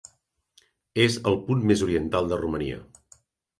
És el punt més oriental de Romania.